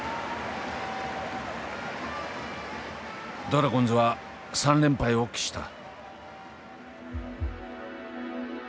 ドラゴンズは３連敗を喫した。